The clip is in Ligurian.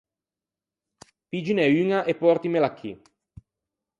Piggine uña e pòrtimela chì.